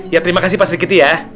ya terima kasih pak sri kitty ya